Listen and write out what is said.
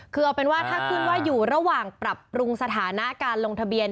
คือเอาเป็นว่าถ้าขึ้นว่าอยู่ระหว่างปรับปรุงสถานะการลงทะเบียน